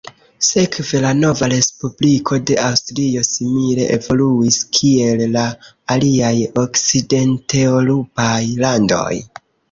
Sekve la nova respubliko de Aŭstrio simile evoluis kiel la aliaj okcidenteŭropaj landoj.